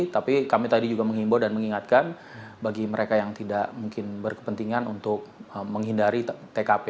tapi kami tadi juga mengimbau dan mengingatkan bagi mereka yang tidak mungkin berkepentingan untuk menghindari tkp